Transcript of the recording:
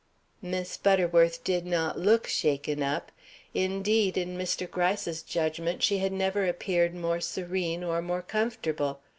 Miss Butterworth did not look shaken up. Indeed, in Mr. Gryce's judgment, she had never appeared more serene or more comfortable.